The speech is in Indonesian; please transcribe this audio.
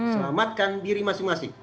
selamatkan diri masing masing